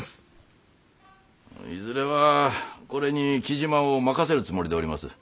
いずれはこれに雉真を任せるつもりでおります。